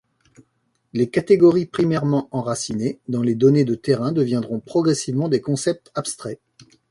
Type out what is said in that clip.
Les catégories primairement enracinées dans les données de terrain deviendront progressivement des concepts abstraits.